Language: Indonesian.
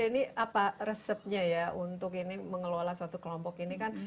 ini apa resepnya ya untuk ini mengelola suatu kelompok ini kan